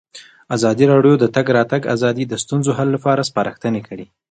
ازادي راډیو د د تګ راتګ ازادي د ستونزو حل لارې سپارښتنې کړي.